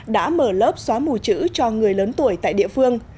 đã mở lớp xóa mù chữ cho người lớn tuổi tại địa phương